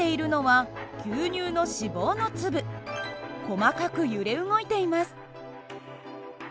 細かく揺れ動いています。